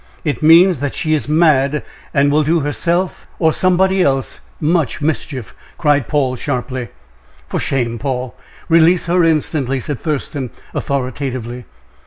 "It means that she is mad, and will do herself or somebody else much mischief," cried Paul, sharply. "For shame, Paul! Release her instantly," said Thurston, authoritatively.